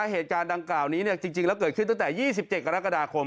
เหตุการณ์ดังกล่าวนี้จริงแล้วเกิดขึ้นตั้งแต่๒๗กรกฎาคม